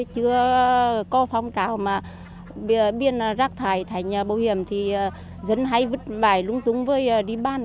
chưa có phong trào mà biên rác thải thành bảo hiểm thì dân hay vứt bãi lung tung với đi bán